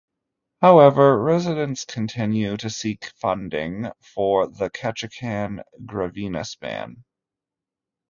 However, residents continue to seek funding for the Ketchikan-Gravina span.